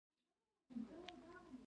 نیا یې وویل چې دا ماشوم به سندرغاړی شي